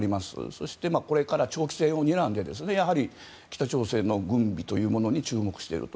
そしてこれから長期戦をにらんで北朝鮮の軍備というものに注目していると。